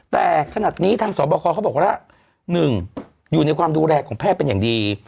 แต่ขนาดนี้ทางสอบคอเขาบอกว่า๑อยู่ในความดูแลของแพทย์เป็นอย่างดี